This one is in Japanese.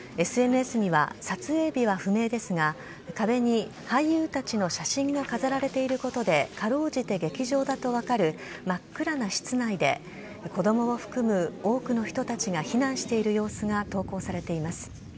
ＳＮＳには撮影日は不明ですが壁に俳優たちの写真が飾られていることでかろうじて劇場だと分かる真っ暗な室内で子供を含む多くの人たちが避難している様子が投稿されています。